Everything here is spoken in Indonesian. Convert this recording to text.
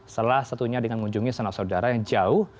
salah satunya dengan mengunjungi sanak saudara yang jauh